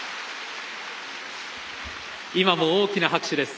今も大きな拍手です。